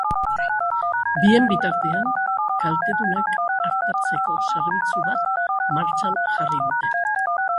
Bien bitartean, kaltedunak artatzeko zerbitzu bat martxan jarri dute.